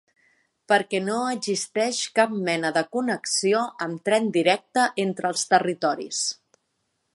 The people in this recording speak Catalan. Perquè no existeix cap mena de connexió amb tren directe entre els territoris.